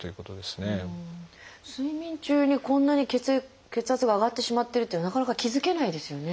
睡眠中にこんなに血圧が上がってしまってるっていうのはなかなか気付けないですよね。